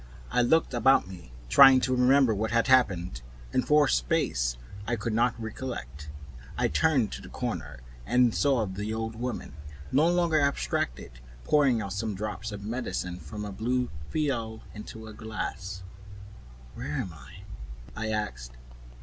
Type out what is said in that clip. I looked about me trying to remember what had happened, and for a space I could not recollect. I rolled my eyes into the corner and saw the old woman, no longer abstracted, no longer terrible, pouring out some drops of medicine from a little blue phial into a glass. "Where am I?" I said.